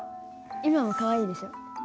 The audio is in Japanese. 今もかわいいでしょ？